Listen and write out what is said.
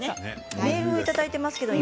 メールをいただいてます